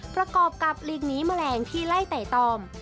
ประกอบกับหลีกหนีแมลงที่ไล่ไต่ตอง